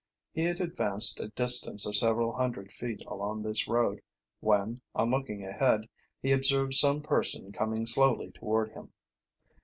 He had advanced a distance of several hundred feet along this road when, on looking ahead, he observed some person coming slowly toward him.